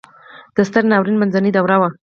د ستر ناورین منځنۍ دوره وه.